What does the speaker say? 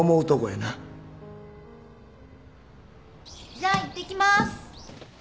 じゃあ行って来ます。